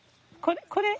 これ？